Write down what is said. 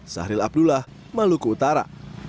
sahril abdullah maluku utara